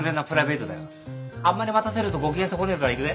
あんまり待たせるとご機嫌損ねるから行くぜ。